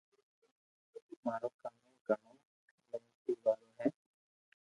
ھون ٿاري ڪاو ڪرو